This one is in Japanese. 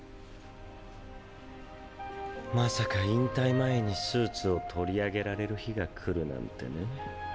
まさか引退前にスーツを取り上げられる日が来るなんてね。